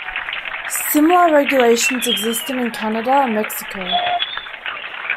Similar regulations existed in Canada and Mexico.